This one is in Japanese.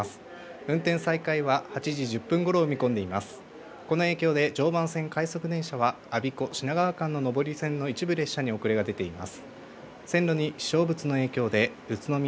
運転再開は８時１０分ごろを見込んでいます。